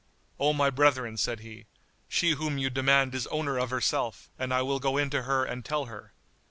"O my brethren," said he, "she whom you demand is owner of herself, and I will go in to her and tell her."